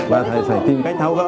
và phải tìm cách tháo gỡ